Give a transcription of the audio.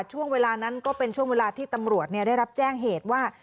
ช่วงเวลานั้นก็เป็นช่วงเวลาที่ตำรวจได้รับแจ้งเหตุว่า